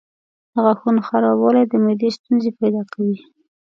د غاښونو خرابوالی د معدې ستونزې پیدا کوي.